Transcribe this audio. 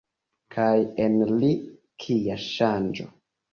Kaj en li, kia ŝanĝo!